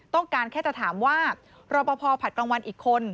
ต้องการแค่จะถามว่ารอปภผลัดกลางวันอีกคน